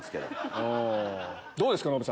どうですか？